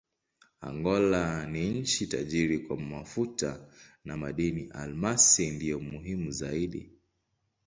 Angola ni nchi tajiri kwa mafuta na madini: almasi ndiyo muhimu zaidi.